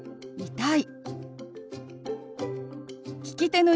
「痛い」。